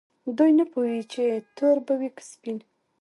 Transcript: دوی نه پوهیږي چې تور به وي که سپین.